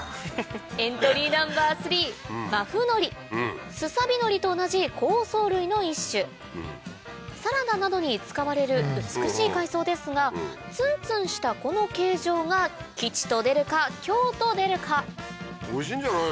エントリーナンバー３スサビノリと同じ紅藻類の一種サラダなどに使われる美しい海藻ですがツンツンしたこの形状が吉と出るか凶と出るかおいしいんじゃないの？